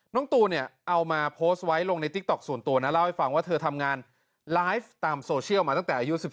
ตูนเนี่ยเอามาโพสต์ไว้ลงในติ๊กต๊อกส่วนตัวนะเล่าให้ฟังว่าเธอทำงานไลฟ์ตามโซเชียลมาตั้งแต่อายุ๑๓